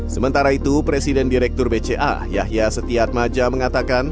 sementara itu presiden direktur bca yahya setiat maja mengatakan